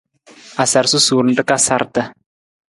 A sar susuur nra ka sarata.